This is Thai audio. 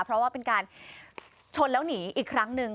เพราะว่าเป็นการชนแล้วหนีอีกครั้งหนึ่ง